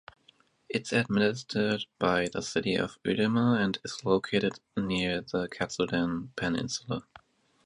Its administered by the city of Uruma and is located near the Katsuren Peninsula.